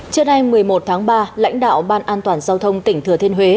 trưa nay một mươi một tháng ba lãnh đạo ban an toàn giao thông tỉnh thừa thiên huế